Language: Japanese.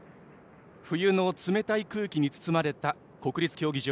冬の冷たい空気に包まれた国立競技場。